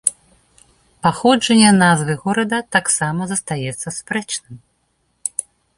Паходжанне назвы горада таксама застаецца спрэчным.